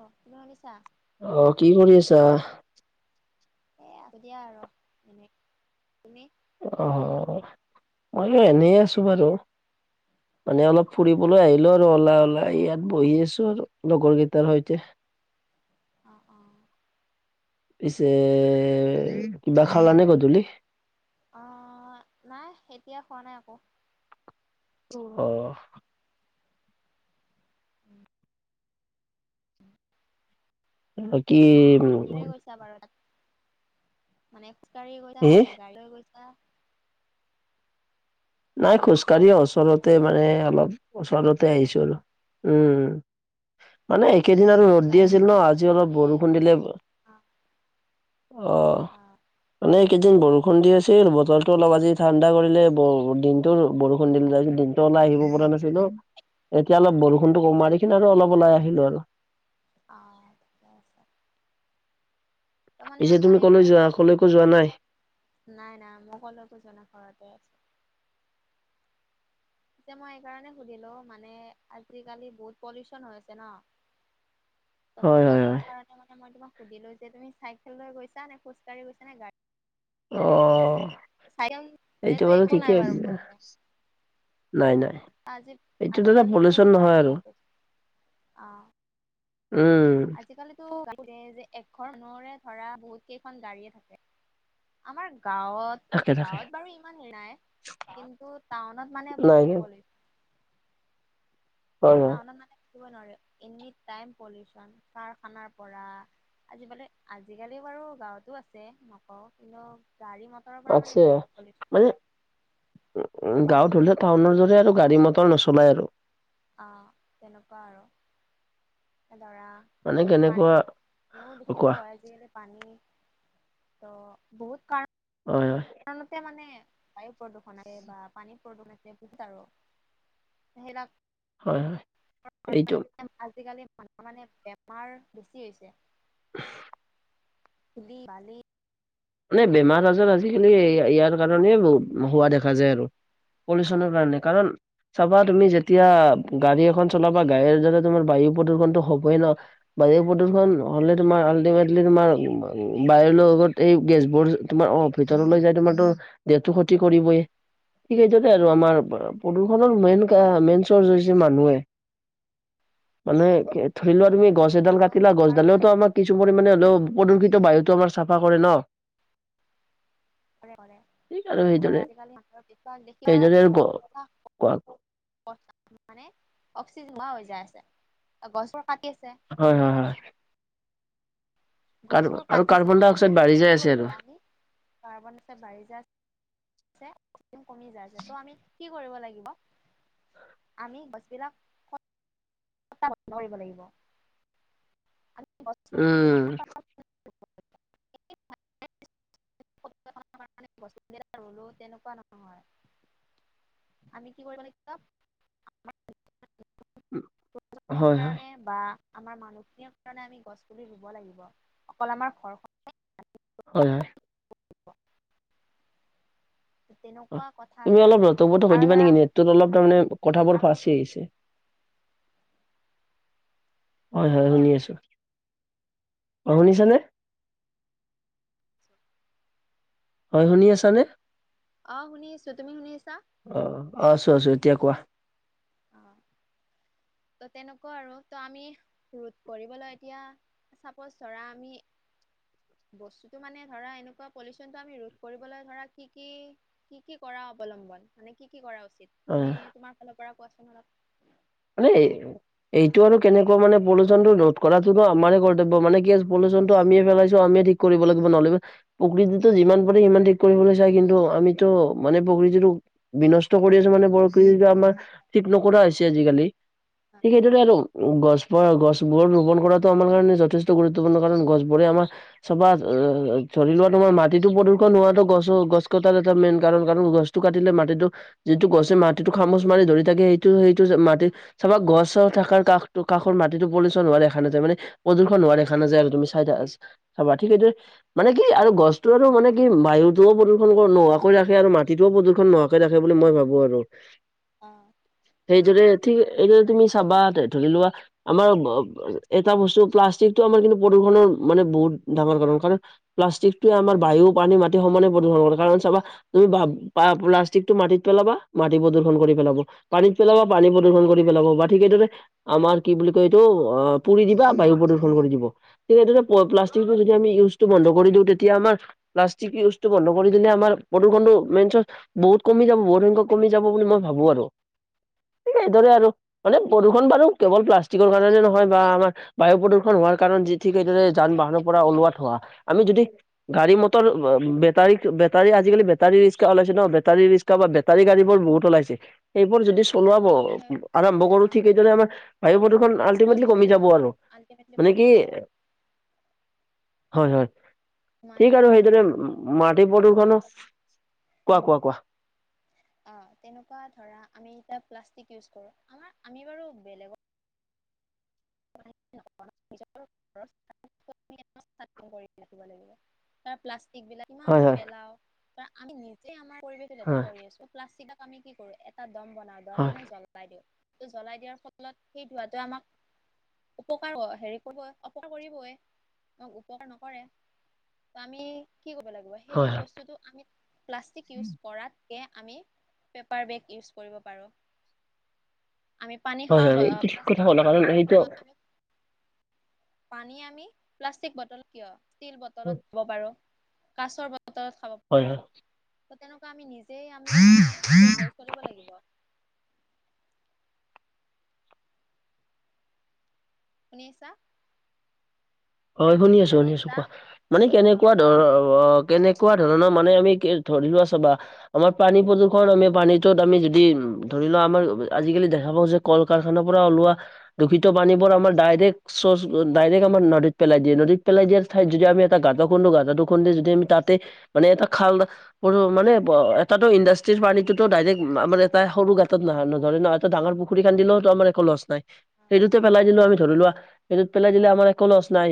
অ তুমি শুনিছা? অ কি কৰি আছা? এ আছো দিয়া আৰু এনেই। তুমি? অহ মইয়ো এনেই আছো বাৰু। অ মানে অলপ ফুৰিবলৈ আহিলো আৰু ওলাই ওলাই ইয়াত বহি আছো আৰু। লগৰ কেইটাৰ সৈতে। অঁ অঁ। পিছে কিবা খাল নে গধূলি? অঁ নাই এতিয়া খোৱা নাই একো। অহ। [inaudible] বাকী। কি লৈ গৈছা বাৰু তাত? মানে খোজকাাঢ়ি গৈছা হে নে গাড়ী লৈ গৈছা? নাই খোজকাঢ়ি খোজকাঢ়িয়ে গৈছা নে ওচৰতে গাড়ী? মানে অলপ ওচৰতে আহিছো আৰু উম। মানে একেইদিন আৰু মানে ৰ'দ দি গাড়ী আছিল বেছি ন ইউজ আজি কৰিলে অলপ বৰষুণ দিলে। অ অহ অ মানে এইকেইদিন বৰষুণ দি আছিল বতৰটো অলপ আজি ঠাণ্ডা কৰিলে ব দিনটোৰ বৰষুণ দিলে যে দিনতো ওলাই আহিব পৰা নাছিলো ন। এতিয়া অ অ অলপ বৰ ষুণটো কমা দেখি কিনে আৰু অলপ ওলাই আহিলো আৰু। অঁ ঠিকে আছে। ত মানে পিছে মই তুমি কলৈ এইকাৰণে যোৱা, কলৈকো যোৱা নাই? নাই নাই মই কলৈকো যোৱা নাই ঘৰতে আছো। পিছে মই এই ঋকাৰণে সুধিলো মানে, আজিকালি বহুত পলিউচন হৈ আছে ন। [inaudible] ত হয় পলিউচনৰ হয় কাৰণ মানে মই তোমাক সুধিলো যে তুমি চাইকেল লৈ গৈছাে নে খোজকাঢ়ি গৈছা নে গা ড়ী লৈ গৈছা? অ' চাইকেল এইটো নিলেটো বাৰু একো ঠিকেই নাই বাৰু ভাবিছা প্ৰব্লেম। নাই অঁ নাই আজি এইটো দাদা আজিকালিটো পলিউচন নহয় গাড়ী আৰু বহুত আছে অঁ। উম। আজিকালিতো বহুতে যে এঘৰ মানুহৰে ধৰা বহুত কেইখন গাড়ীয়ে থাকে। আমাৰ গাঁৱত। থাকে থাকে গাঁৱত বাৰু ইমান হেৰি নাই কিন্তু টাউনত মানে নাই বহুত পলিউচন। [inaudible] হয় হয় টাউনত মানে থাকিবই নোৱাৰে এনি টাইম পলিউচন। কাৰখানাৰ পৰা আজি মানে আজিকালি বাৰু গাঁৱতো আছে নকওঁ কিন্তু গাড়ী ম আছে মানে উম গাঁৱত বায়ু হ'লে টাউনৰ তেনেকে দৰে আৰু গাড়ী মটৰ নচলাই আৰু। আঁ তেনেকুৱা আৰু। ধৰা মানে পানী কেনেকুৱা পানীও কোৱা লুখিত হয় আজিকালি পানী ত বহুত কাৰণ হয় হয়। সেইকাৰণ মানে বায়ু প্ৰদূষণ আহে বা পানী প্ৰদূষণ আছে বহুত আৰু। সেইবিলাক হয় - হয়, এইটো আজিকালি মানু মানে বেমাৰ বেছি হৈছে [inaudible] ধুলি বালি মানে বেমাৰ আজাৰ আৰু আজিকালি ইয়াৰ কাৰণে হোৱা দেখা যায় আৰু অ' পলিউচনৰ কাৰণে কাৰণ চাবা তুমি যেতিয়া গাড়ী এখন চলাবা গাড়ী যাতে তোমাৰ বায়ু প্ৰদূষণটো হ'বয়ে ন'। বায়ু প্ৰদূষণ হ'লে তোমাৰ আল্টিমেটলি তোমাৰ বায়ুৰ লগত এই গেছবোৰ তোমাৰ অ' ভিতৰলৈ যাই তোমাৰ তো দেহটো ক্ষতি কৰিবই। সেইটোতে আৰু উম, আমাৰ আ, প্ৰদূষণৰ মেইন - মেইন চৰ্চ হৈছে মানুহে। মানে ধৰি উম লোৱা তুমি গছ এডাল মানুহ কাটিলা কাৰণ গছডালেওটো আমি আমাৰ কিছু পৰিমাণে হ'লেও প্ৰদূষিত বায়ুটো আমাৰ চাফা কৰে ন'। কৰে - কৰে, ঠিক আৰু সেইদৰে আজিকালি [unintelligible] কোৱা মানে অক্সিজেন নোহোৱা হৈ যায় আছে গছবোৰ কাটি আছে। হয় - হয় - হয় গছবোৰ আৰু কাতিছে কাৰ্বন ডাই আমি অক্সাইড বাঢ়ি যাই কি আছে কৰিব আৰু লাগে আমি, কাৰ্বনঅক্সাইড বাঢ়ি যায় ছে কমি যায় আছে ত' আমি কি কৰিব লাগিব? আমি গছবিলাক [unintelligible] লাগিব [unintelligible] যিমান উম, পাৰোঁ [unintelligible] ৰুলো তেনেকুৱা হয় আমি কি কৰিব লাগিব? হয় - হয় কাৰণে বা আমাৰ মানুহখিনিৰ কাৰণে আমি গছপুলি ৰুব লাগিব অকল আমাৰ ঘৰখন [unintelligible] হয় - হয় অ' তেনেকুৱা কথা তুমি এটা আৰু অলপ নতবত সৈ আৰু দিবা ধৰা নেকি নেটটোত অলপ তাৰমানে কথাবোৰ ফাঁচি আহিছে। হয় - হয়, অ শুনি আছোঁ, অ' শুনিছা নে? হয়, শুনি আছা নে? অ' শুনি আছোঁ তুমি শুনি আছা? অ', আছো আছো এতিয়া কোৱা। অ [inaudible] ত' তেনেকুৱা আৰু ত' আমি ৰোধ কৰিবলৈ এতিয়া চাপচ ধৰা আমি বস্তুটো মানে ধৰা এনেকুৱা পলিউচনটো আমি ৰোধ কৰিবলৈ ধৰা কি কি কি কি কৰা অৱলম্বন মানে কি কি কৰা উচিত অ তুমি তোমাৰ ফালৰ পৰা কোৱাচোন অলপ। [inaudible] এইটো আৰু কেনেকুৱা মানে পলিউচনটো ৰোধ কৰাটোটো আমাৰে কৰ্তব্য মানে কি পলিউচনটো আমিয়ে পেলাইছো আমিয়ে ঠিক কৰিব লাগিব নহ'লে বা প্ৰকৃতিটো যিমান পাৰে সিমান ঠিক কৰিবলৈ চাই কিন্তু আমিতো মানে প্ৰকৃতিটো বিনষ্ট কৰি আছো মানে প্ৰকৃতিটো আমাৰ হয় ঠিক নকৰা হৈছে আজিকাল, ঠিক হয় সেইদৰে আৰু গছ [unintelligible] গছবোৰৰ ৰোপন কৰাটো আমাৰ কাৰণে যথেষ্ট গুৰুত্বপূৰ্ণ কাৰণ গছবোৰে আমাৰ চাবা অ ধৰি লোৱা তোমাৰ মাটিতো প্ৰদূষণ হোৱাতো গছ - গছ কটাৰ এটা মেইন কাৰণ কাৰণ গছ টো কাটিলে মাটিটো যিটো গছে মাটিটো খামুচ মাৰি ধৰি থাকে সেইটো সে টো চা মাটি, অ চাবা গছ থকাৰ কাষটো কাষৰ মাটিটো পলুচন হোৱা দেখা নাযায় মানে প্ৰদূষণ হোৱা উম দেখা নাযায় আৰু তুমি চাই থা চা চাবা ঠিকেই উম মানে কি আৰু গছটো আৰু মানে কি বায়ুতোও প্ৰদূষণ নোহোৱাকৈ ৰাখে আৰু মাটিটোও প্ৰদূষণ নোহোৱা কৈ ৰাখে বুলি মই ভাবো আৰু। অঁ। সেইদৰে ঠিক এইদৰে তুমি চাবা ধ ধৰি লোৱা আমাৰ অব ব এটা বস্তু প্লাষ্টিকটো আমাৰ কিন্তু প্ৰদূষণৰ মানে বহুত ডাঙৰ কাৰণ কাৰণ প্লাষ্টিকটোৱে আমাৰ উম বায়ু, পানী, মাটি সমানে প্ৰদূষণ কৰে কাৰণ চাবা তুমি ভা পা প্লাষ্টিকটো মাটিত পেলাবা, মাটি প্ৰদূষণ কৰি পেলাব, পানীত পেলাবা পানী প্ৰদূষণ কৰি পেলাব বা ঠিক সেইদৰে আমাৰ কি বুলি কয় এইটো অ পুৰি দিবা বায়ু প্ৰদূষণ কৰি দিব ঠিক এইটোতে প হ'ব প্লাষ্টিক বোৰ যদি আমি ইউজটো বন্ধ কৰি দিওঁ তেতিয়া আমাৰ প্লাষ্টিক ইউজটো বন্ধ কৰি দিলে আমাৰ প্ৰদূষণটো মেনচত বহুত কমি যাব, বহুত সংখ্যক কমি যাব বুলি মই ভাবো আৰু। সেইদৰে আৰু মানে প্ৰদূষণ বাৰু কেৱল প্লাষ্টিকৰ কাৰণে নহয় বা আমাৰ বায়ু প্ৰদূষণ হোৱাৰ কাৰণ যি ঠিক সেইদৰে অ যান - চব বাহনৰ পৰা ক্ষেত্ৰতে আৰু ওলোৱা ধোঁৱা আমি যদি গাড়ী - মটৰ, ব বেটাৰীত বেটাৰী আজিকালি বেটাৰী ৰিক্সা ওলাইছে ন বেটাৰী ৰিক্সা বা বে বেটাৰী অ গাড়ীবোৰ বহুত ওলাইছে সেইবোৰ যদি চলাব ত আমি সেই আৰম্ভ কৰো অ ঠিক সেইদৰে আমাৰ বায়ু প্ৰদূষণ আল্টিমেটলি কমি পলিউচনটো যাব আৰু আল্টিমেটলি মানে কমি কি যাব হয় হয়, মানে ঠিক আৰু ধৰা সেইদৰে মাটি প্ৰদূ্ষণো, কোৱা কোৱা কোৱা? আ তেনেকুৱা ধৰা আমি এতিয়া প্লাষ্টিক ইউজ কৰো, আমাৰ আমি বাৰু বেলেগ [unintelligible] [unintelligible] ৰাখিব লাগিব কাৰন প্লাষ্টিকবিলাক কিমান হয় আমি হয় পেলাও বা আমি নিজে আমাৰ পৰিৱেশটো হয় লেতেৰা কৰি আছো, প্লাষ্টিক আ আমি কি কৰোঁ? এটা দম বনাও, দম হয় বনাই জ্বলাই দিও, ত জ্বলাই দিয়াৰ ফলত সেই ধোঁৱাটোৱে আমাক উপকাৰ অ হেৰি কৰিব, অপকাৰ কৰিবই অ উপকাৰ নকৰে। ত আমি কি কৰিব লাগিব? হয় সেইটো হয় বস্তুটো আমি প্লাষ্টিক ইউজ কৰাতকে আমি পেপাৰ বেগ ইউজ কৰিব পাৰোঁ। [inaudible] আমি পানী হয় খাওঁ হয় ব এইটো ঠিক কথা প্লাষ্টিক ক'লা কাৰণ বটলৰ পৰা সেইটো কিন্তু আমি পানী আমি প্লাষ্টিক বটল কিয়, ষ্টিল বটলত দিব পাৰো, কাছৰ বটলত খাব হয় পাৰো, হয় ত তেনেকুৱা আমি নিজে আমি মানে চেভ হৈ চলিব লাগিব। শুনিছা? হয় শুনি আছো শুনি আছো কোৱা? মানে অ কেনেকুৱা ধৰনৰ অ কেনে কুৱা ধৰণৰ মানে আমি কি ধৰি লোৱা আছে বা আমাৰ পানী প্ৰদূৰ্ষণ, আমি পানীটোত আমি যদি, ধৰি লোৱা আমাৰ আজিকালি দেখা পাওঁ যে কল - কাৰখানাৰ পৰা ওলোৱা দূষিত পানীবোৰ আমাৰ ডাইৰেক্ট চচ ডাইৰেক্ট আমাৰ নদীত পেলাই দিয়ে। নদীত পেলাই দিয়াৰ অ ঠাইত যদি আমি এটা গাত দ খুন্দু গাতাটো খান্দোতে যদি আমি তাতে মানে এটা খাল সোনো মানে প এটাটো ইণ্ডাষ্ট্ৰিৰ পানী টোত ডাইৰেক্ট মা মানে তাই সৰু গাঁতত নহয় ন ধৰে ন, এটা ডাঙৰ পুখুৰী খান্দিলেও ত আমাৰ একো লছ নাই। হে অ সেইটোতে পেলাই দিলো আমি ধৰিলোৱা সেইটোত পেলাই দিলে আমাৰ একো লছ নাই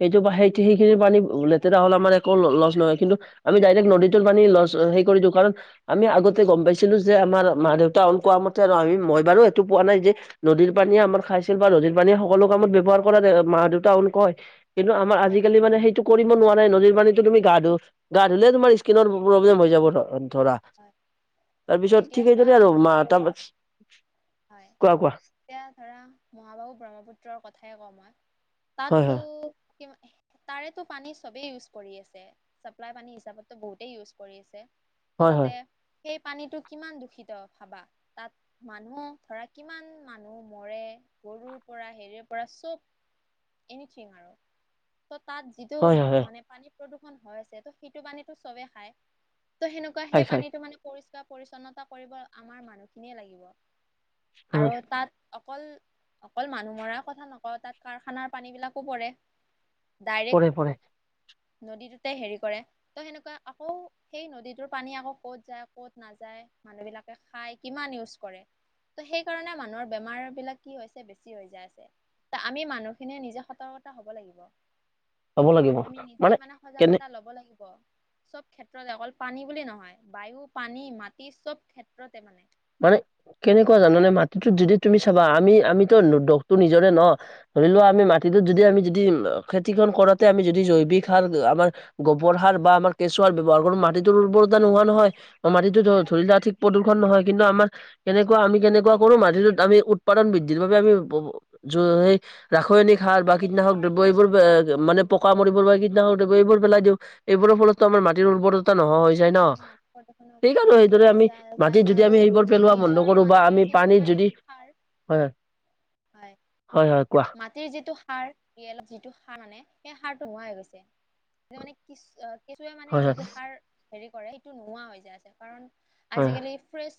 সেইটোৰ পৰা সেই সেইখিনি পানী লেতেৰা হ'লে আমাৰ একো ল লছ নহয়। কিন্তু আমি ডাইৰেক্ট উম নদীত টোটেল পানী লছ হেই কৰি দো কাৰণ আমি আগতে গম পাইছিলো যে, আমাৰ মা দেউতা হ'ত কোৱা মতে আৰু আমি মই বাৰু এইটো পোৱা নাই যে হে আ নদীৰ পানীয়ে আমাৰ খাইছিল বা নদীৰ পানীয়ে সকলো কামত ব্যৱহাৰ কৰা যায় অ মা-দেউত টাউন হয় কয় হে হে, কিন্তু আমাৰ হয় আজিকালি মানে সেই কৰিব নোৱাৰে নদীৰ পানীটো তুমি গা ধু গা ধুলেই তোমাৰ স্কিনৰ প্ৰব্লেম হৈ যাব। তাত হয় ধৰা হয় তাৰপিছত এতিয়া ঠিক চোৱা সেইদৰে আৰু মহাবাহু মাথা বচ হয় কোৱা কোৱা। এতিয়া ধৰা মহাবাহু ব্ৰহ্মপুত্ৰৰ কথাই কওঁ মই, হয় তাতটো হয় ও ও ও হে মা এ তাৰেতো পানী চবেই ইউজ কৰি আছে। চাপ্লাই পানী হিচাপততো বহুতেই ইউজ কৰি আছে। ত' হয় তাতে সেই পানীটো কিমান দূষিত ভাবা? তাত মানুহ ধৰা কিমান মানুহ মৰে, গৰুৰ পৰা হেৰিৰ পৰা, চব এনিথিং আৰু, ত' তাত যিটো হয় হয় হয় হয় মানে পানী প্ৰদূষণ হৈ আছে, ত' সেইটো পানীটো চবেই খাই। ত' সেনেকুৱা খাই সেই খাই পানীটো মানে পৰিষ্কাৰ পৰিচ্ছন্নতা কৰিব আমাৰ মানুহখিনিয়ে লাগিব। উম আৰু তাত অকল অকল মানুহ মৰাৰ কথা নকওঁ, তাত কাৰখানাৰ পানীবিলাকো পৰে। পৰে পৰে ডাইৰেক্ট নদীটোতে হেৰি কৰে। ত' সেনেকুৱা আকৌ সেই নদীটোৰ পানী আকৌ ক'ত যায় ক'ত নাযায়, মানুহ বিলাক এয়া খাই, কিমান ইউজ কৰে। ত সেই কাৰণে মানুহৰ বেমাৰ বিলাক কি হৈছে বেছি হৈ যাই আছে। ত আমি মানুহ এনেই নিজে সতৰ্কতা হ'ব লাগিব। হ'ব লাগিব আমি নিজে মানে কেনে সজাগতা লব লাগিব। সব ক্ষেত্ৰতে অকল পানী বুলি নহয় বায়ু, পানী, মাটি সব ক্ষেত্ৰতে মানে। মানে কেনেকুৱা জানানে মাটিটোত যদি তুমি চাবা, আমি আমিতো দোষটো নিজৰে ন হ হ। হে ধৰিলোৱা আমি মাটিটোত যদি আমি যদি উমহ অ খেতিখন কৰাতে আমি যদি জৈৱিক সাৰ আমাৰ গোবৰ সাৰ বা আমাৰ কেঁচু সাৰ ব্যৱহাৰ কৰো মাটিত উৰ্বৰতা হয় নোহোৱা নহয় চি ই ই, অ মাটিতো ধৰ হয়। ধৰিলো ঠিটক প্ৰদূষণ নহয়, কিন্তু আমাৰ আহ আহ আ। কেনেকুৱা আমি কেনেকুৱা কৰো মাটিটোত আমি উৎপাদন বৃদ্ধিৰ বাবে আমি ব ব জো সেই আহ আহ ৰাসায়নিক সাৰ বা বেলেগ কীটনাশক সাৰ দ্ৰব্য ইউজ এইবোৰ বা কৰোঁ আ আ য মানে পোকা অ মৰিবৰ বাবে কীট জাবৰ-টাবৰ এইবোৰ পেলাই দিওঁ হে হে এইবোৰৰ ফলতো আমাৰ মাটিৰ উৰ্বৰতা নহোৱা হৈ যায় আমাৰ ন, মাটি প্ৰদূষণো সেই কাৰণে বেছি হয়তো আমি হৈছে মাটিত যিটো যে আৰু আমি সেইবোৰ পেলোৱা নিজৰ বন্ধ কৰো, বা মাটিৰ আমি যিটো পানীত মানে যদি, সাৰ হয় হয়। হয়। হয় কোৱা মা তিৰ যিটো সাৰ ৰিয়ল যিটো সাৰ মানে সেই সাৰটো নোৱাই হৈ গৈছে। সেইটো মানে কিছু আ কেচুৱে মানে হয় হয় যিটো সাৰ হেৰি কৰে সেইটো নোহোৱা হৈ যায় আছে। কাৰণ হয় আজিকালি ফ্ৰেছ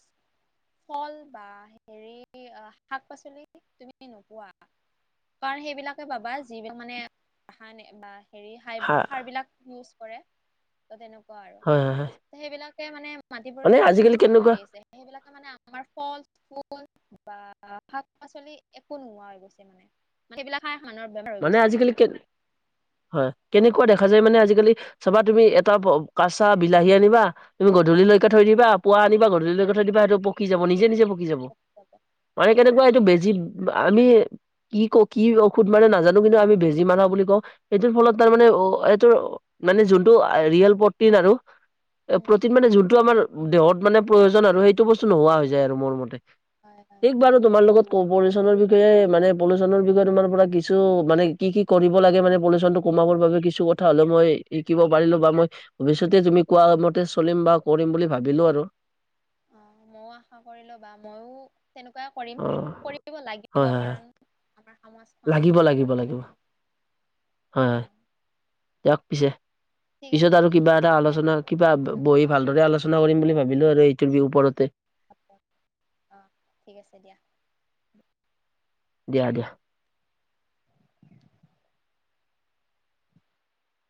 ফল বা হেৰি ই ই আ আ শাক-পাচলি তুমি নোপোৱা। কাৰণ সেইবিলাকে পাবা, যিবিলাক মানে সানে বা হেৰি সাৰ হা সাৰবিলাক ইউজ কৰে, ত' তেনেকুৱা আৰু হয় হয় হয় ত সেইবিলাকে মানে মাটি মানে প্ৰদূষনটো আজিকালি বহুত কৰি কেনেকুৱা আহিছে। সেইবিলাকে মানে আমাৰ ফল-ফুল বা আ হা পাচলি একো নোহোৱা হৈ গৈছে মানে। মানে সেইবিলাক খাই আহা মানুহৰ বেমাৰ হৈ মানে গৈছে আজিকালি কে হয় কেনেকুৱা দেখা যায় মানে আজিকালি এ হ চাবা তুমি এটা ব কাঁচা বিলাহী আনিবা আহ তুমি গধূলি লৈ থৈ দিবা পুৱ আনিবা গধূলিকৈ থৈ দিবা সেইটো পকি যাব নিজে নিজে পকি যাব। মানে য়েছ কেনেকুৱা এইটো বেজি আমি কি ক কি ঔষধ মাৰে নাজানো। কিন্তু আমি বেজি মাৰা বুলি কওঁ সেইটোৰ ফলত তাৰমানে এইটো মানে যোনটো ৰিয়েল প্ৰটিন আৰু। এ উম প্ৰটিন মানে যোনটো আমাৰ দেহত মানে প্ৰয়োজন আৰু সেইটো বস্তু নোহোৱা হৈ যায় আৰু মোৰ মতে। হয় হয় [unintelligible] বাৰু তোমাৰ লগত ক সেইটো পলিচনৰ বিষয়ে মানে পলিউচনৰ বিষয়ে তোমাৰ পৰা কি ছু মানে কি কি কৰিব লাগে মানে পলিচন টো কমাবৰ বাবে কিছু কথা হ'লেও মই শিকিব পাৰিলো বা মই ভৱিষ্যতে তুমি কোৱা মতে চলিম বা কৰিম বুলি ভাবিলো আৰু। অ', ময়ো আশা কৰিলো বা ময়ো তেনেকুৱাই কৰিম অ কৰিব লাগিব হয় হয় হয় কাৰণ আমাৰ সমাজ লাগিব লাগিব লাগিব হয়, অ হয় দিয়ক পিছে। ঠিক পিছত আছে আৰু কিবা আহ এটা দিয়া আলোচনা কিবা বহি ভালদৰে পিছত আলোচনা কৰিম বুলি ভাবি এইটোৰ বি ওপৰতে। [unintelligible] অ', ঠিক আছে দিয়া। দিয়া দিয়া। [inaudible]